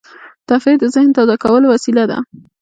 تفریح د ذهن تازه کولو وسیله ده.